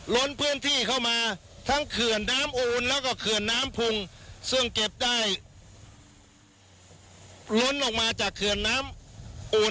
ล้นพื้นที่เข้ามาทั้งเขื่อนน้ำอูนแล้วก็เขื่อนน้ำพุงซึ่งเก็บได้ล้นออกมาจากเขื่อนน้ำอูน